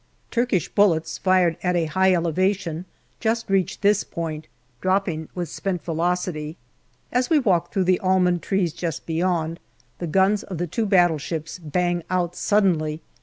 Turkish bullets fired at a high elevation just reach this point, dropping 256 NOVEMBER 257 with spent velocity. As we walk through the almond trees just beyond, the guns of the two battleships bang out suddenly.